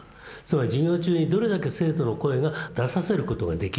つまり授業中にどれだけ生徒の声が出させることができるか。